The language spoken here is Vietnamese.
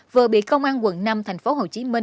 vừa bị công an quận năm tp hcm